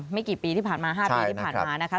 กี่ปีที่ผ่านมา๕ปีที่ผ่านมานะคะ